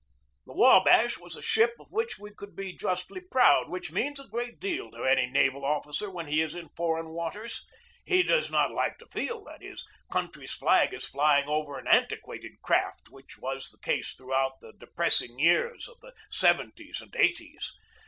The Wabash was a ship of which we could be justly proud, which means a great deal to any naval officer when he is in foreign waters. He does not like to feel that his country's flag is flying over an antiquated craft, which was the case throughout the depressing years of the seventies and eighties.